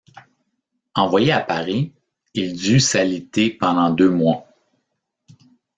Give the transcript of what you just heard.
Envoyé à Paris, il dut s'aliter pendant deux mois.